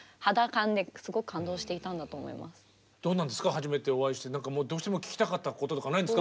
初めてお会いしてどうしても聞きたかったこととかないんですか？